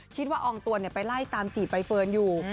อองตวนไปไล่ตามจีบใบเฟิร์นอยู่